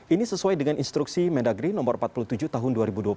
ini sesuai dengan instruksi mendagri no empat puluh tujuh tahun dua ribu dua puluh satu